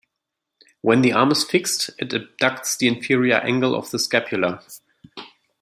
When the arm is fixed, it abducts the inferior angle of the scapula.